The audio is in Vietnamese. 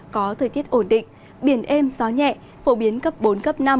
có thời tiết ổn định biển êm gió nhẹ phổ biến cấp bốn cấp năm